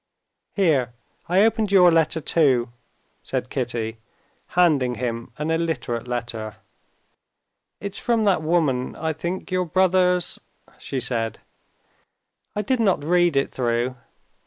"Here, I opened your letter too," said Kitty, handing him an illiterate letter. "It's from that woman, I think, your brother's...." she said. "I did not read it through.